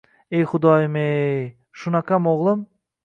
E Xudoyim-yey! Shunaqami, oʻgʻlim?!